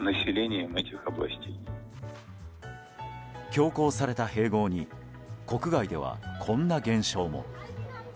強行された併合に国外では、こんな現象も。